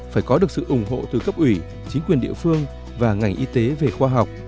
phải có được sự ủng hộ từ cấp ủy chính quyền địa phương và ngành y tế về khoa học